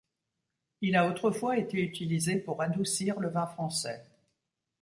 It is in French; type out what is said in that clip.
Il a autrefois été utilisé pour adoucir le vin français.